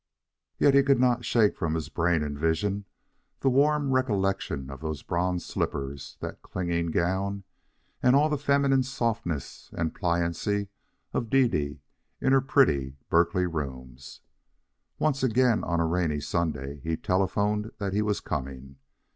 Yet he could not shake from his brain and vision the warm recollection of those bronze slippers, that clinging gown, and all the feminine softness and pliancy of Dede in her pretty Berkeley rooms. Once again, on a rainy Sunday, he telephoned that he was coming.